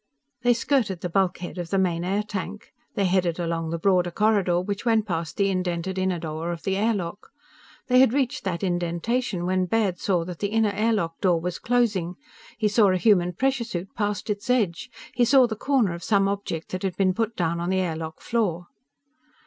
They skirted the bulkhead of the main air tank. They headed along the broader corridor which went past the indented inner door of the air lock. They had reached that indentation when Baird saw that the inner air lock door was closing. He saw a human pressure suit past its edge. He saw the corner of some object that had been put down on the air lock floor.